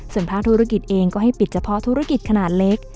ส่วนภาคธุรกิจเองก็ให้ปิดเฉพาะธุรกิจขนาดเล็ก